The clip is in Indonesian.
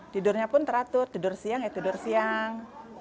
tidurnya pun teratur tidur siang ya tidur siang